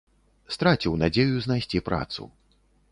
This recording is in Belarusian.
Страціў надзею знайсці працу.